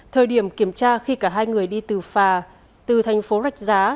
thời điểm kiểm tra khi cả hai người đi từ phà từ thành phố rạch giá